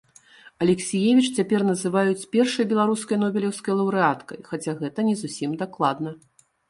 Алексіевіч цяпер называюць першай беларускай нобелеўскай лаўрэаткай, хаця, гэта не зусім дакладна.